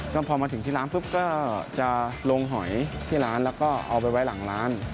ก็พอมาถึงที่ร้านปุ๊บก็จะลงหอยที่ร้านแล้วก็เอาไปไว้หลังร้าน